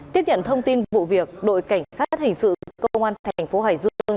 tiếp nhận thông tin vụ việc đội cảnh sát hình sự công an thành phố hải dương